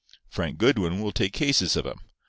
Frank Goodwin will take cases of 'em.